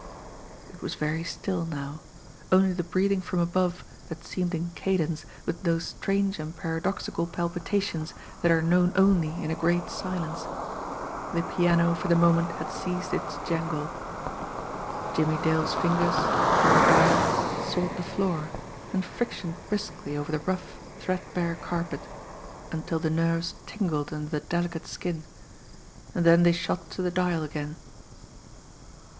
It was very still now only the breathing from above that seemed in cadence with those strange and paradoxical palpitations that are known only in a great silence the piano for the moment had ceased its jangle. Jimmie Dale's fingers, from the dial, sought the floor, and frictioned briskly over the rough, threadbare carpet, until the nerves tingled under the delicate skin and then they shot to the dial again.